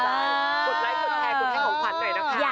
กดไลค์กดแชร์คุณให้ของขวัญหน่อยนะคะ